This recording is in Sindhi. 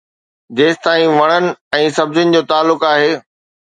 جيستائين وڻن ۽ سبزين جو تعلق آهي.